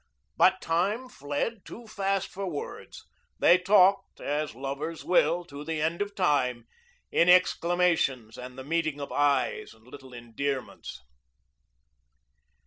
But time fled too fast for words. They talked as lovers will to the end of time in exclamations and the meeting of eyes and little endearments.